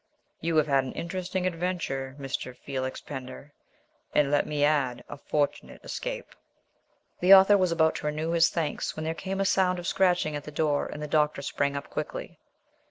You have had an interesting adventure, Mr. Felix Pender, and, let me add, a fortunate escape." The author was about to renew his thanks when there came a sound of scratching at the door, and the doctor sprang up quickly.